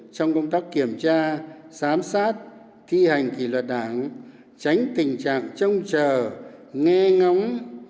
trong công tác kiểm tra giám sát thi hành kỷ luật đảng tránh tình trạng trông chờ nghe ngóng